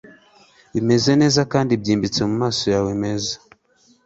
Bimeze neza kandi byimbitse mumaso yawe meza